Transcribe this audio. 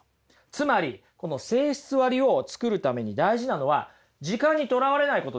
つまりこの性質割を作るために大事なのは時間に囚われないことですから。